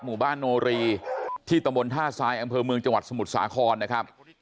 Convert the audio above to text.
หมู่บ้านโนรีที่ตำบลท่าทรายอำเภอเมืองจังหวัดสมุทรสาครนะครับ